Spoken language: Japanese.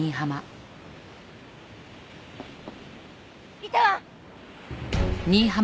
いたわ！